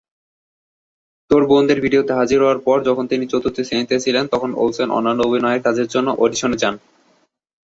তার বোনদের ভিডিওতে হাজির হওয়ার পর, যখন তিনি চতুর্থ শ্রেণিতে ছিলেন, তখন ওলসেন অন্যান্য অভিনয়ের কাজের জন্য অডিশনে যান।